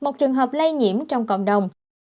một trường hợp lây nhiễm trong cộng đồng